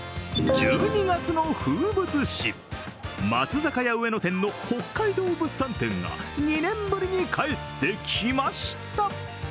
１２月の風物詩、松坂屋上野店の北海道物産展が２年ぶりに帰ってきました。